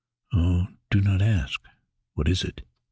Oh, do not ask, "What is it?"